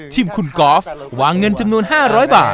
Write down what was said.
ทีมคุณกอล์ฟวางเงินจำนวน๕๐๐บาท